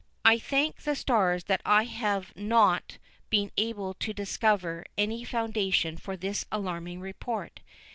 I thank the stars that I have not been able to discover any foundation for this alarming report.